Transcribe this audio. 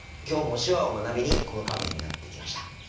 今日も手話を学びにこのカフェにやって来ました。